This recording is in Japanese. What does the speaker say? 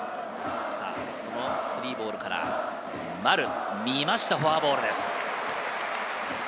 ３ボールから丸、見ました、フォアボールです。